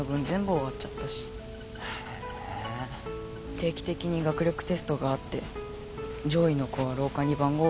定期的に学力テストがあって上位の子は廊下に番号がはり出されるし。